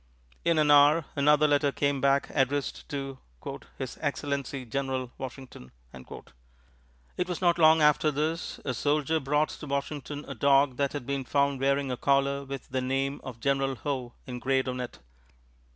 In an hour, another letter came back addressed to "His Excellency, General Washington." It was not long after this a soldier brought to Washington a dog that had been found wearing a collar with the name of General Howe engraved on it.